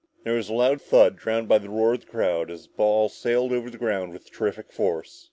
There was a loud thud drowned by a roar from the crowd as the ball sailed off the ground with terrific force.